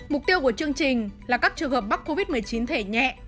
mục tiêu của chương trình là các trường hợp mắc covid một mươi chín thể nhẹ